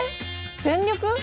全力？